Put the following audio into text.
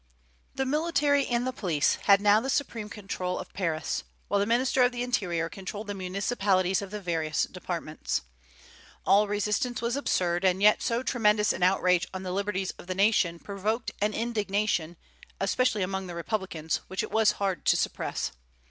The military and the police had now the supreme control of Paris, while the minister of the interior controlled the municipalities of the various departments. All resistance was absurd; and yet so tremendous an outrage on the liberties of the nation provoked an indignation, especially among the Republicans, which it was hard to suppress.